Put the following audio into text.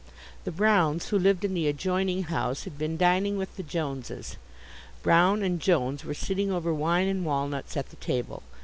The Browns, who lived in the adjoining house, had been dining with the Joneses. Brown and Jones were sitting over wine and walnuts at the table.